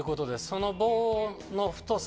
その棒の太さ